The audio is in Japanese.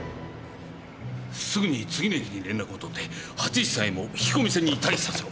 すぐに次の駅に連絡を取って８１３Ｅを引き込み線に退避させろ！